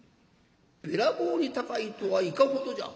「べらぼうに高いとはいかほどじゃ」。